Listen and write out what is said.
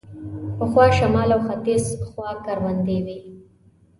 پخوا شمال او ختیځ خوا کروندې وې.